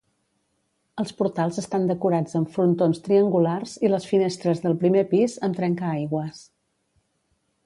Els portals estan decorats amb frontons triangulars i les finestres del primer pis amb trencaaigües.